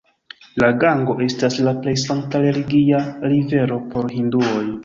La Gango estas la plej sankta religia rivero por Hinduoj.